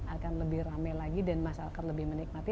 akan lebih rame lagi dan masyarakat lebih menikmati